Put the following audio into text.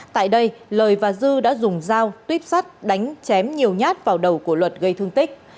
tại đây lời và dư đã dùng dao tuyếp sắt đánh chém nhiều nhát vào đầu của luật gây thương tích